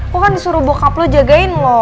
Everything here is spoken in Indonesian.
gue kan disuruh bokap lo jagain lo